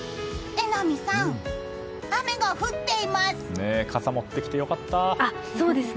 榎並さん、雨が降っています。